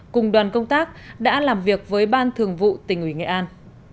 cùng đoàn công tác đã làm việc với ban thường vụ tỉnh ủy nghệ an